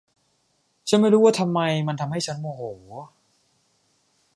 ฉันไม่รู้ว่าทำไมมันทำให้ฉันโมโห